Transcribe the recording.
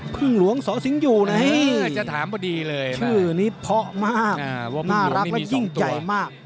พึ่งหลวงสสิงหยูน่ะไงชื่อนี้เพาะมากน่ารักและยิ่งใจมาก